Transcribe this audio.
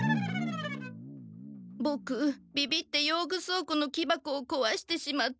ボクビビって用具倉庫の木箱をこわしてしまって。